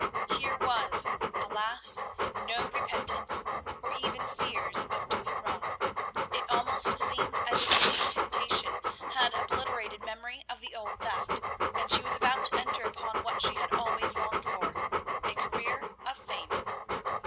Here was, alas, no repentance, or even fears of doing wrong. It almost seemed as if the new temptation had obliterated memory of the old theft, and she was about to enter upon what she had always longed for, a career of fame.